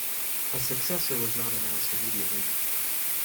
A successor was not announced immediately.